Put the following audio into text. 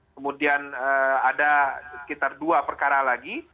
kemudian ada sekitar dua perkara lagi